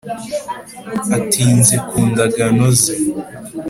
atinze ku ndagano ze.